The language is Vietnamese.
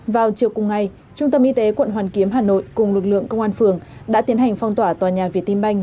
vào chiều cùng ngày trung tâm y tế quận hoàn kiếm hà nội cùng lực lượng công an phường đã tiến hành phong tỏa tòa nhà việt tin banh